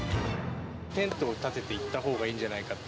テントを建てていったほうがいいんじゃないかって。